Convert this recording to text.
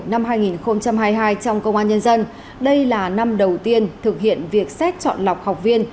năm hai nghìn hai mươi hai trong công an nhân dân đây là năm đầu tiên thực hiện việc xét chọn lọc học viên